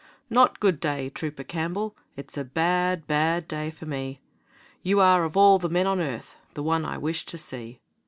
'Not good day, Trooper Campbell, It's a bad, bad day for me You are of all the men on earth The one I wished to see.